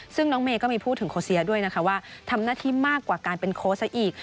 ซึ่งน้องเมย์ก็มีพูดถึงโคเซียด้วยนะคะว่าทำหน้าที่มากกว่าการเป็นโค้ชซะอีก